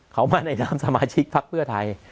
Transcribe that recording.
เขามาในนามสมาชิกพักเพื่อไทย